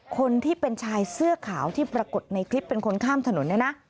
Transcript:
คนที่เป็นชายเสื้อขาวที่ปรากฏในคลิปเป็นคนข้ามถนนเนี่ยนะ